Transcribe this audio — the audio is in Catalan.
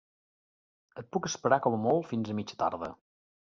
Et puc esperar com a molt fins a mitja tarda.